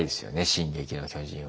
「進撃の巨人」を。